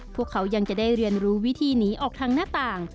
พวกเขายังจะได้เรียนรู้วิธีหนีออกทางหน้าต่าง